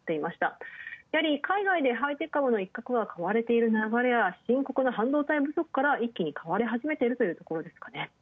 やはり海外でハイテク株の一角は買われている流れや半導体不足から買われているというところですかね。